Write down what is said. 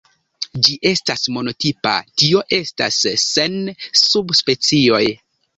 Ĝi estas monotipa, tio estas sen subspecioj.